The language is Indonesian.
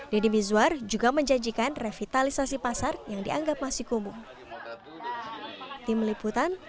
deddy mizwar juga menjanjikan revitalisasi pasar yang dianggap masih kumuh